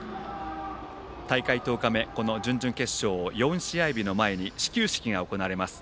大会１０日目、準々決勝４試合日の前に始球式が行われます。